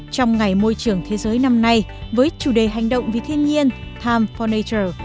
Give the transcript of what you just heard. trong ngày môi trường thế giới năm nay với chủ đề hành động vì thiên nhiên time for nature